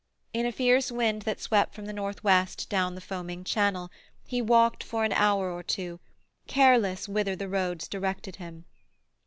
In a fierce wind that swept from the north west down the foaming Channel, he walked for an hour or two, careless whither the roads directed him.